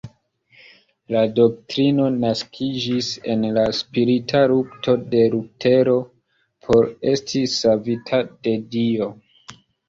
La doktrino naskiĝis en la spirita lukto de Lutero por esti savita de Dio.